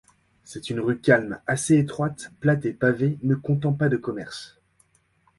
C'est une rue calme assez étroite, plate et pavée ne comptant pas de commerces.